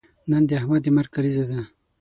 نن د احمد د مرګ کلیزه ده.